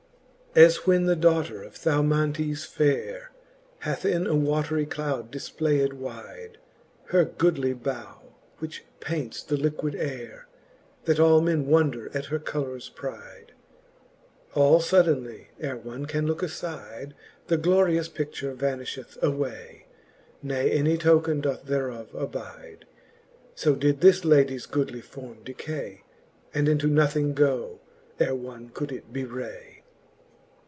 XXV. As when the daughter of Thaumantes faire Hath in a watry cloud difplayed wide Her goodly bow, which paints the liquid ayre. That all men wonder at her colours pride j All fuddeinly, ere one can looke afide, The glorious pi6i:ure vanifheth away, ' Ne any token doth thereof abide : So did this ladies goodly forme decay, And into nothing goe, ere one could it betray.